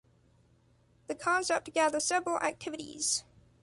The concept gather several activities.